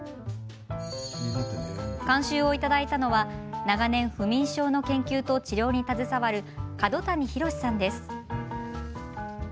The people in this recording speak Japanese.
監修をいただいたのは長年不眠症の研究と治療に携わる角谷寛さんです。